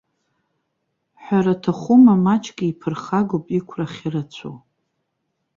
Ҳәара аҭахума, маҷк иԥырхагоуп иқәра ахьырацәоу.